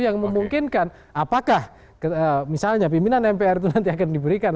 yang memungkinkan apakah misalnya pimpinan mpr itu nanti akan diberikan